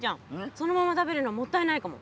そのまま食べるのもったいないかも。